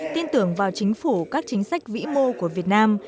tin tưởng vào chính phủ các chính sách vĩ mô của việt nam